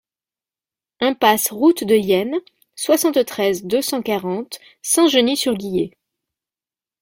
Impasse Route de Yenne, soixante-treize, deux cent quarante Saint-Genix-sur-Guiers